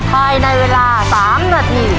ภายในเวลา๓นาที